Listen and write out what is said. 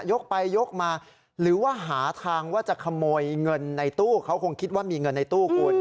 ยกไปยกมาหรือว่าหาทางว่าจะขโมยเงินในตู้เขาคงคิดว่ามีเงินในตู้คุณ